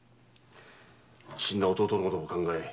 死んだ弟のことを考え